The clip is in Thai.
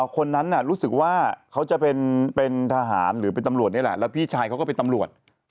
คนนั้นรู้สึกว่าเขาจะเป็นทหารหรือเป็นตำรวจนี่แหละแล้วพี่ชายเขาก็เป็นตำรวจ